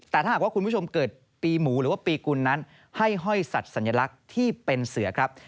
แต่ถ้าหากว่าคุณผู้ชมเกิดปีหมูหรือว่าปีกุลนั้นให้ห้อยสัตว์สัญลักษณ์ที่เป็นเสือครับ